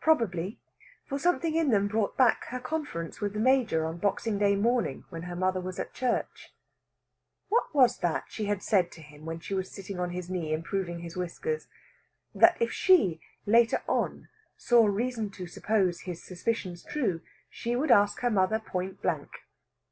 Probably, for something in them brought back her conference with the Major on Boxing Day morning when her mother was at church. What was that she had said to him when she was sitting on his knee improving his whiskers? that if she, later on, saw reason to suppose his suspicions true, she would ask her mother point blank.